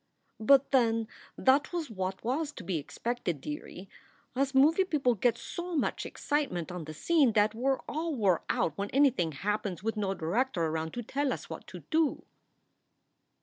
"But then that was what was to be expected, dear ree. Us movie people gets so much excitement on the scene that we re all wore out when anything happens with no director around to tell us what to do."